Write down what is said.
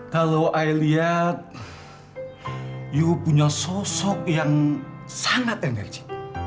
kalau aku lihat kamu punya sosok yang sangat energi